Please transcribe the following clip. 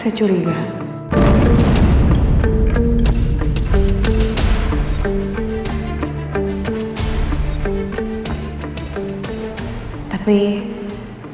saya curiga dengan saudari elsa